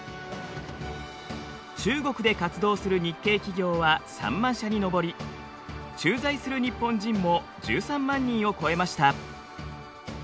中国で活動する日系企業は３万社に上り駐在する日本人も１３万人を超えました。